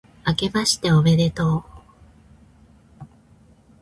あけましておめでとう、